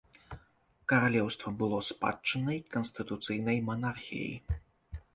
Каралеўства было спадчыннай канстытуцыйнай манархіяй.